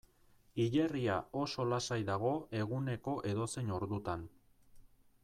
Hilerria oso lasai dago eguneko edozein ordutan.